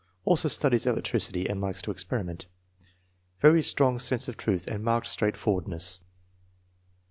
Also studies electricity and likes to experiment. Very strong sense of truth and marked straight forwardness